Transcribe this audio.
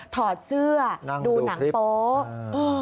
ถอดเสื้อดูหนังโป๊ะ